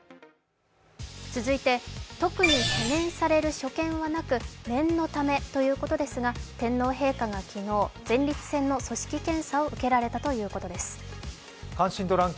続いて、特に懸念される所見はなく念のためということですが天皇陛下が昨日、前立腺の組織検査を受けられたということです。